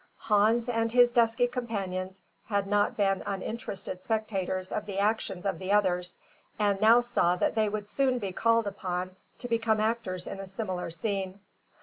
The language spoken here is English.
Hans and his dusky companions had not been uninterested spectators of the actions of the others, and now saw that they would soon be called upon to become actors in a similar scene.